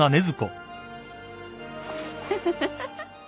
フフフフ。